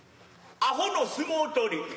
「あほの相撲取り」。